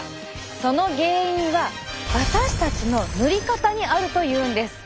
その原因は私たちの塗り方にあるというんです。